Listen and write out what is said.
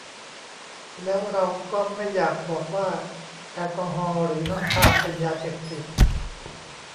แล้วเราก็ไม่อยากบอกว่าแอลกอฮอล์ หรือน้ำตาล เป็นยาเสพติด